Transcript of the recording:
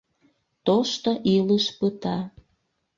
Тошто илыш пыта!